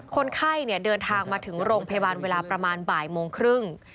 คนไข้เดินทางมาถึงโรงพยาบาลเวลาประมาณบ่ายโมงครึ่ง